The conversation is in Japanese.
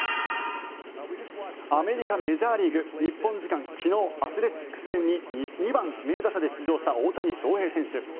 アメリカ・メジャーリーグ日本時間昨日アスレチックス戦に２番指名打者で出場した大谷翔平選手。